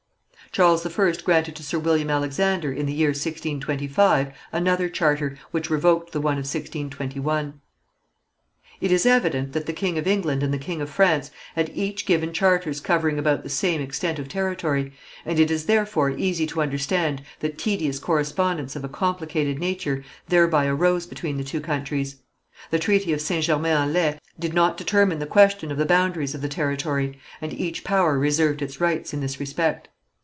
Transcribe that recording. Charles I granted to Sir William Alexander in the year 1625 another charter, which revoked the one of 1621. It is evident that the king of England and the king of France had each given charters covering about the same extent of territory, and it is therefore easy to understand that tedious correspondence of a complicated nature thereby arose between the two countries. The treaty of St. Germain en Laye did not determine the question of the boundaries of the territory, and each power reserved its rights in this respect.